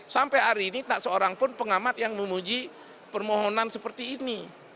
sampai hari ini tak seorang pun pengamat yang memuji permohonan seperti ini